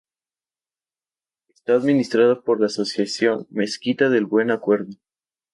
Está administrada por la asociación Mezquita del Buen Acuerdo.